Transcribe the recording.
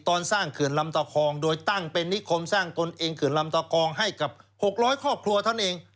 สร้างเขื่อนลำตะคองโดยตั้งเป็นนิคมสร้างตนเองเขื่อนลำตะกองให้กับ๖๐๐ครอบครัวเท่านั้นเอง